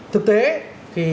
thực tế thì